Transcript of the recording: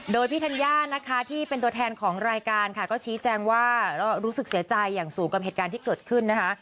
โดยพี่ธัญญานะคะที่เป็นตัวแทนของรายการค่ะก็ชี้แจงว่ารู้สึกเสียใจอย่างสูงกับเหตุการณ์ที่เกิดขึ้นนะคะ